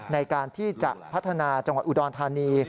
ในการที่จะพัฒนาจังหวัดอุดรธานี